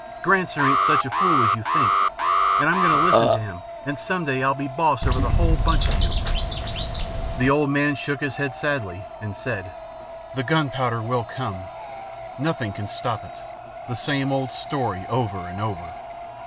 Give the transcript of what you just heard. Granser ain't such a fool as you think, and I'm going to listen to him and some day I'll be boss over the whole bunch of you." The old man shook his head sadly, and said: "The gunpowder will come. Nothing can stop it the same old story over and over.